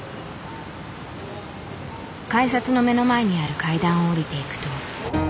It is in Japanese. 改札の目の前にある階段を下りていくと。